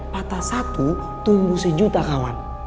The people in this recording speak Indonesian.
patah satu tumbuh sejuta kawan